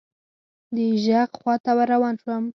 د ږغ خواته ور روان شوم .